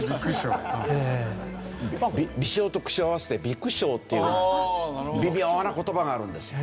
「微笑」と「苦笑」を合わせて「微苦笑」というような微妙な言葉があるんですよ。